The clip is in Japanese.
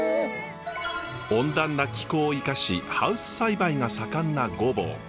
温暖な気候を生かしハウス栽培が盛んな御坊。